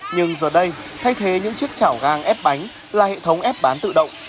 nhưng giờ đây thay thế những chiếc chảo gang ép bánh là hệ thống ép bán tự động